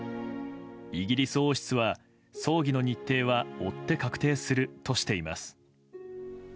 イギリス王室は、葬儀の日程は追って確定するとしています。